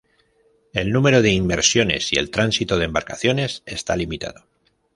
El número de inmersiones y el tránsito de embarcaciones está limitado.